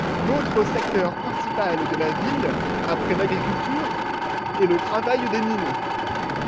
L'autre secteur principal de la ville après l'agriculture est le travail des mines.